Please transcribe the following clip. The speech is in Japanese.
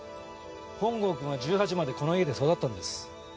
本郷くんは１８までこの家で育ったんです。